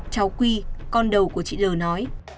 cháu quy con đầu của chị lờ nói